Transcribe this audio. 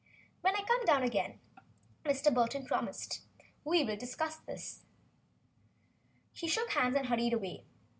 "When I come down again," Burton promised, "we will discuss it." He shook hands and hurried away.